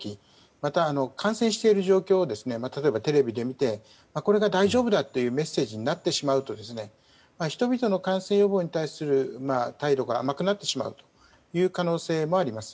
また、観戦している状況を例えばテレビで見て大丈夫だというメッセージになってしまうと人々の感染予防に対する態度が甘くなってしまう可能性もあります。